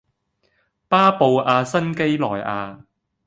巴布亞新畿內亞